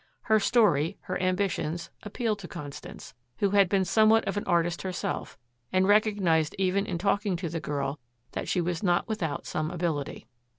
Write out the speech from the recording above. Her story, her ambitions appealed to Constance, who had been somewhat of an artist herself and recognized even in talking to the girl that she was not without some ability.